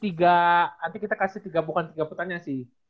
nanti kita kasih tiga bukan tiga pertanyaan sih